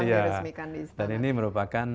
diresmikan di istana dan ini merupakan